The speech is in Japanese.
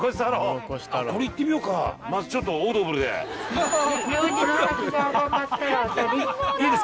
まずちょっとオードブルで。